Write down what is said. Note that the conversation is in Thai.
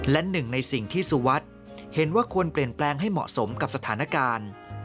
และหนึ่งในสิ่งที่สุวัสดิ์เห็นว่าควรเปลี่ยนแปลงให้เหมาะสมกับสถานการณ์